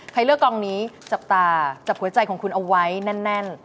เลือกกองนี้จับตาจับหัวใจของคุณเอาไว้แน่น